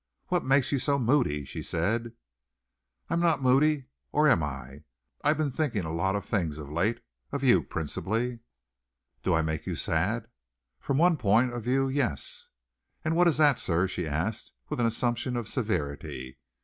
What makes you so moody?" she said. "I'm not moody or am I? I've been thinking a lot of things of late of you principally." "Do I make you sad?" "From one point of view, yes." "And what is that, sir?" she asked with an assumption of severity.